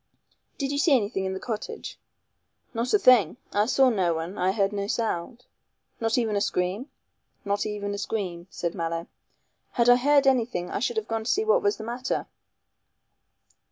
"Did you see anything in the cottage?" "Not a thing. I saw no one I heard no sound." "Not even a scream?" "Not even a scream," said Mallow; "had I heard anything I should have gone to see what was the matter."